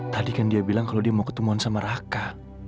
tadi kan dia bilang kalau dia mau ketemuan sama raka